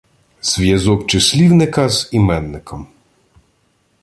Зв'язок числівника з іменником